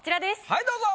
はいどうぞ。